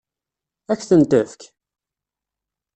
Ad k-ten-tefk?